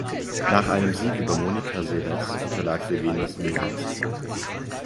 Nach einem Sieg über Monica Seles unterlag sie Venus Williams.